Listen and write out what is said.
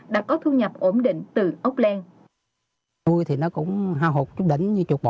đã có thu nhập ổn định từ ốc len